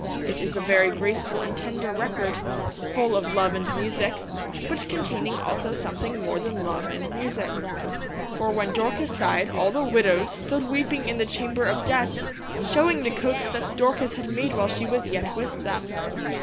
It is a very graceful and tender record, full of Love and Music, but containing also something more than Love and Music. For when Dorcas died all the widows stood weeping in the chamber of death, showing the coats that Dorcas had made while she was yet with them.